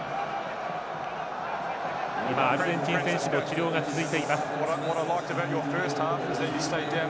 今、アルゼンチン選手の治療が続いています。